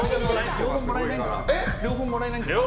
両方もらえないんですか。